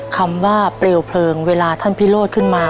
คำว่าเปลวเพลิงเวลาท่านพิโรธขึ้นมา